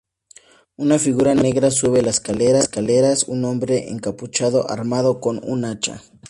Una figura negra sube las escaleras: un hombre encapuchado armado con un hacha.